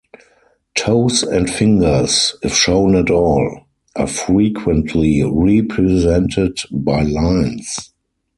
Toes and fingers, if shown at all, are frequently represented by lines.